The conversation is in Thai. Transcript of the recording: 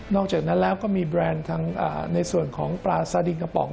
อกจากนั้นแล้วก็มีแบรนด์ในส่วนของปลาซาดิงกระป๋อง